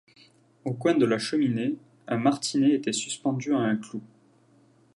Au coin de la cheminée, un martinet était suspendu à un clou.